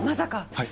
はい。